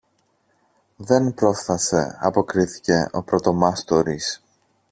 Δεν πρόφθασε, αποκρίθηκε ο πρωτομάστορης.